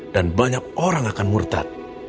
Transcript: dan banyak orang akan murtad